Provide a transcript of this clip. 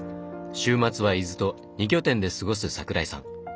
週末は伊豆と２拠点で過ごす桜井さん。